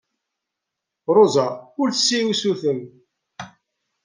Ṛuza ur d-tessi usuten.